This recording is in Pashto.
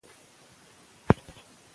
پاکې اوبه د ناروغیو مخه نيسي.